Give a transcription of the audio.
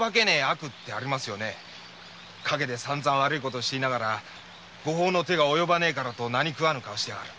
かげでさんざん悪いことしていながら御法の手が及ばねえからと何食わぬ顔をしてやがる。